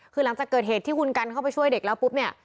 คือหลังจากเกิดเหตุที่คุณกันเข้าไปช่วยเด็กแล้วปุ๊บเนี่ย